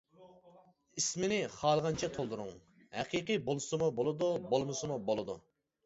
ئىسىمنى خالىغانچە تولدۇرۇڭ، ھەقىقىي بولسىمۇ بولىدۇ، بولمىسىمۇ بولىدۇ.